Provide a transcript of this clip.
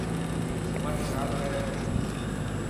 سمن شال پيري تي.